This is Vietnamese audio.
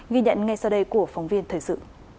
ghi nhận ngay sau đây của phóng viên thời sự